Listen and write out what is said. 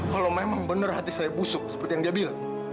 kalau memang benar hati saya busuk seperti yang dia bilang